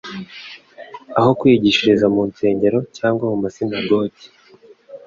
aho kwigishiriza mu nsengero cyangwa mu masinagogi.